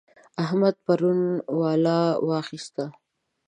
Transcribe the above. احمد پرون ولا واخيسته.